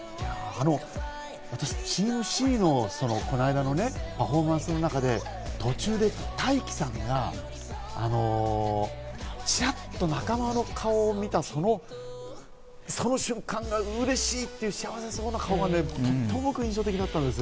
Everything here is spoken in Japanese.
私、チームＣのこの間のパフォーマンスの中で途中でタイキさんがチラっと仲間の顔を見た、その瞬間がうれしいっていう幸せそうな顔がとても印象的だったんです。